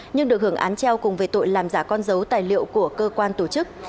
nhưng được hưởng án treo cùng về tội làm giả con dấu tài liệu của cơ quan tổ chức